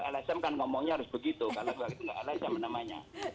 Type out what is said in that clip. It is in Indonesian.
kalau lsm kan ngomongnya harus begitu kalau gue gitu nggak lsm namanya